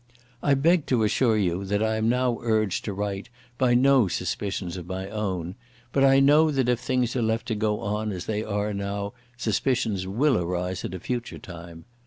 "I beg to assure you that I am now urged to write by no suspicions of my own; but I know that if things are left to go on as they are now, suspicions will arise at a future time.